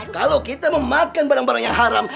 kalau kita memakan barang barang yang haram